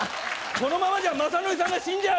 このままじゃ雅紀さんが死んじゃう！